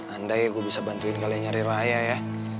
andai aku bisa bantuin kalian nyari raya ya